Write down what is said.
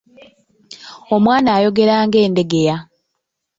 Omwana ayogera nga Endegeya